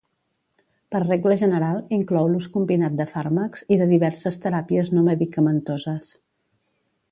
Per regla general, inclou l'ús combinat de fàrmacs i de diverses teràpies no medicamentoses.